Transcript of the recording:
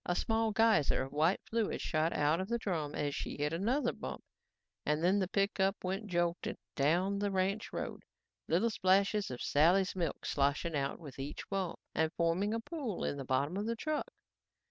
A small geyser of white fluid shot out of the drum as she hit another bump and then the pickup went jolting down the ranch road, little splashes of Sally's milk sloshing out with each bump and forming a pool on the bottom of the truck.